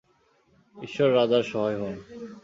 ঈশ্বর রাজার সহায় হউন!